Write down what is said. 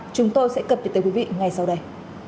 chúng tôi sẽ cập nhật tới quý vị ngay sau đây